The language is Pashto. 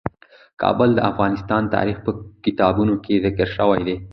کابل د افغان تاریخ په کتابونو کې ذکر شوی دي.